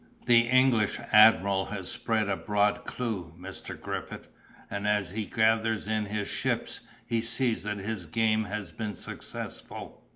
The English admiral has spread a broad clew, Mr. Griffith; and, as he gathers in his ships, he sees that his game has been successful."